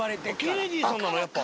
ケネディーさんなのやっぱ。